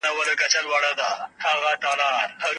فضا د خدای جل جلاله یو ډېر لوی او پراخ مخلوق دی.